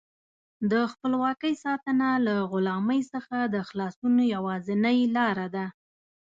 د خپلواکۍ ساتنه له غلامۍ څخه د خلاصون یوازینۍ لاره ده.